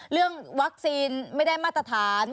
เรื่องวัคซีนไม่ได้มาตรฐาน